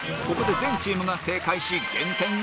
ここで全チームが正解し減点